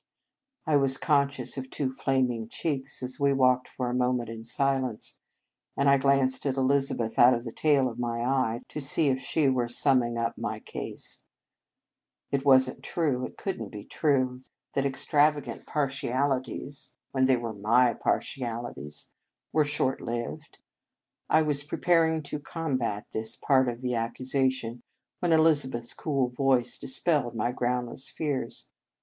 I was conscious of two flaming cheeks as we walked for a moment in silence, and I glanced at Elizabeth out of the tail of my eye to see if she were summing up my case. It was n t true, it could n t be true, that extrava gant partialities (when they were my partialities) were short lived. I was preparing to combat this part of the accusation whenElizabeth s cool voice dispelled my groundless fears.